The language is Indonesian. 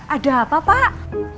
ada apa pak